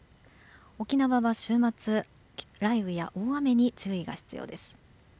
沖縄は週末、雷雨や大雨に注意が必要です。